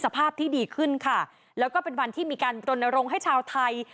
สภาพที่ดีขึ้นค่ะแล้วก็เป็นวันที่มีการรณรงค์ให้ชาวไทย